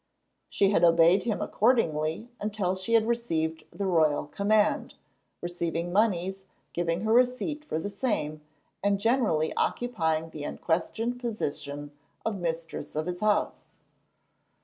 She had obeyed him accordingly until she had received the royal command, receiving moneys, giving her receipt for the same, and generally occupying the unquestioned position of mistress of his house.